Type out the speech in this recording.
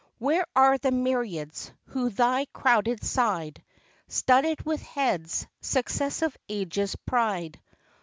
Where are the myriads, who thy crowded side Studded with heads, successive ages' pride